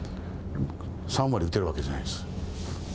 ３割打てるわけじゃないんです。